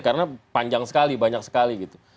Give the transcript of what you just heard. karena panjang sekali banyak sekali gitu